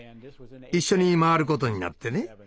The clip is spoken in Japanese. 一緒に回ることになってね。